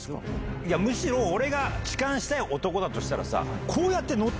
むしろ俺が痴漢したい男だとしたら。